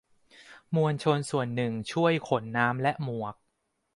มวลชนส่วนหนึ่งช่วยขนน้ำและหมวก